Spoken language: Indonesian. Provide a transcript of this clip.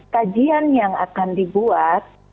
kajian yang akan dibuat